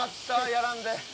やらんで。